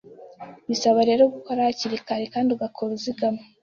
bisaba rero gukora hakiri kare kandi ugakora uzigama;